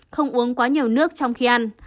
không uống quá nhiều nước trong khi ăn